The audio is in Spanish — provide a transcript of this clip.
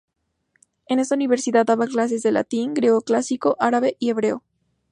En esta universidad daba clases de latín, griego clásico, árabe y hebreo.